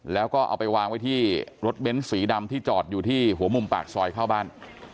แล้วก็เอาไปวางไว้ที่รถเบ้นสีดำที่จอดอยู่ที่หัวมุมปากซอยเข้าบ้าน